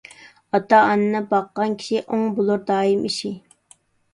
ئاتا - ئانىنى باققان كىشى، ئوڭ بولۇر دائىم ئىشى.